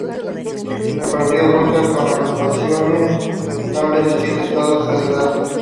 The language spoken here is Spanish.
El partido cuenta con agrupaciones estatales en siete estados federados.